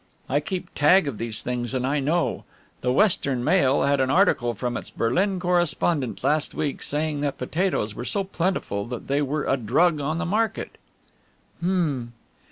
"I keep tag of these things and I know. The Western Mail had an article from its Berlin correspondent last week saying that potatoes were so plentiful that they were a drug on the market." "H'm!"